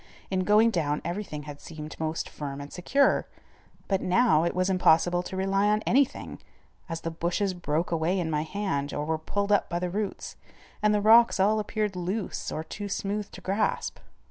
In going down everything had seemed most firm and secure, but now it was impossible to rely on anything, as the bushes broke away in my hand or were pulled out by the roots, and the rocks all appeared loose or too smooth to grasp.